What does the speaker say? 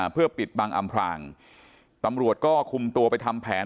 เพื่อปิดบังอำพลางตำรวจก็คุมตัวไปทำแผน